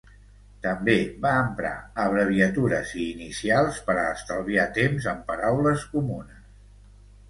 També va emprar abreviatures i inicials per a estalviar temps amb paraules comunes.